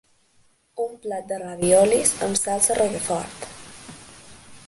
Un plat de raviolis amb salsa rocafort.